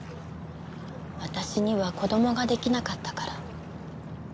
私には子供が出来なかったから。